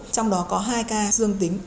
trong đó có hai ca dương tính